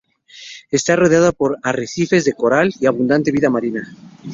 Está rodeada por arrecifes de coral y abundante vida marina.